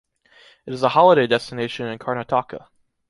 It is a holiday destination in Karnataka.